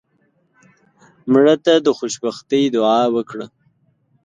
مړه ته د خوشبختۍ دعا وکړه